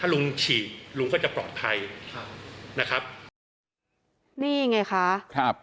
ลุงฉี่ลุงก็จะปลอดภัยครับนะครับนี่ไงคะครับ